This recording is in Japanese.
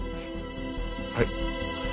はい。